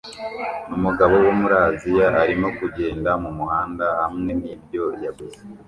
Umugabo wo muri Aziya arimo kugenda mumuhanda hamwe nibyo yaguze